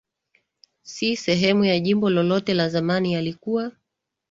si sehemu ya jimbo lolote Zamani yalikuwa